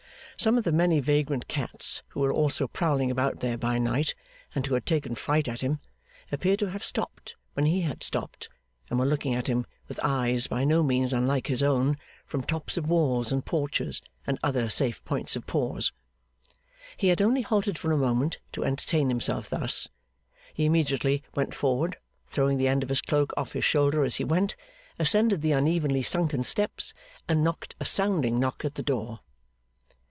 Some of the many vagrant cats who were always prowling about there by night, and who had taken fright at him, appeared to have stopped when he had stopped, and were looking at him with eyes by no means unlike his own from tops of walls and porches, and other safe points of pause. He had only halted for a moment to entertain himself thus; he immediately went forward, throwing the end of his cloak off his shoulder as he went, ascended the unevenly sunken steps, and knocked a sounding knock at the door.